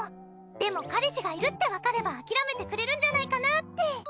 でも彼氏がいるってわかれば諦めてくれるんじゃないかなって。